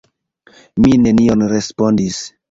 Mi nenion respondis.